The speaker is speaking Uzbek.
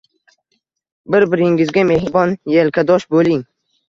Bir-biringizga mehribon, elkadosh bo`ling